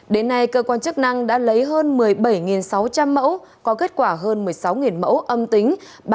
đến nay cơ quan chức năng đã lấy hơn một mươi bảy sáu trăm linh mẫu có kết quả hơn một mươi sáu mẫu âm tính